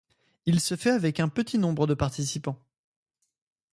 Il se fait avec un petit nombre de participants.